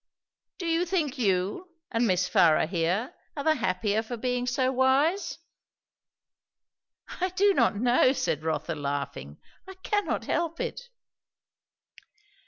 "Do you think you, and Miss Farrar here, are the happier for being so wise?" "I do not know," said Rotha laughing. "I cannot help it."